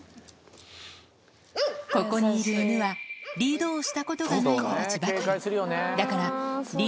ここにいる犬はリードをしたことがない子たちばかり。